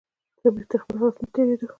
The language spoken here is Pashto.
تره مې تر خپل هوس نه تېرېدو.